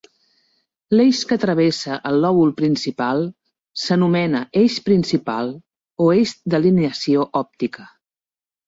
L'eix que travessa el lòbul principal s'anomena "eix principal" o "eix d'alineació òptica".